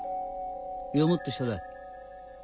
いやもっと下だ。